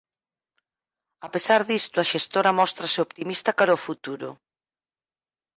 A pesar disto a xestora móstrase optimista cara ó futuro.